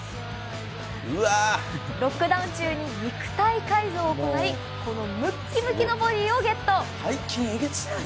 ロックダウン中に肉体改造を行いこのムッキムキのボディーをゲット！